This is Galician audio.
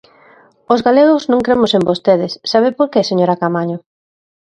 Os galegos non cremos en vostedes, ¿sabe por que, señora Caamaño?